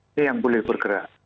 ini yang boleh bergerak